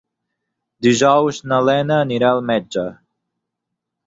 Dijous na Lena anirà al metge.